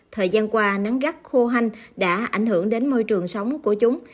thời gian qua nắng gắt khô hanh đã ảnh hưởng đến môi trường sống của chúng